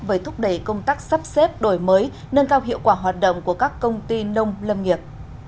về thúc đẩy công tác sắp xếp đổi mới nâng cao hiệu quả hoạt động của các công ty nông lâm nghiệp